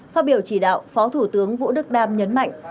phát biểu chỉ đạo phó thủ tướng vũ đức đam nhấn mạnh